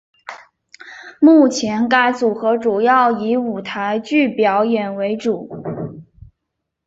目前该组合主要以舞台剧表演为主。